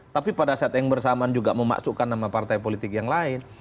tapi pada saat yang bersamaan juga memasukkan nama partai politik yang lain